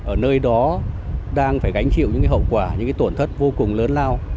ở nơi đó đang phải gánh chịu những hậu quả những cái tổn thất vô cùng lớn lao